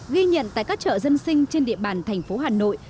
ghi nhận tại các chợ dân sinh trên địa bàn thành phố hà nội